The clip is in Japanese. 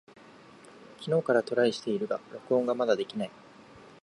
昨日からトライしているが録音がまだできない。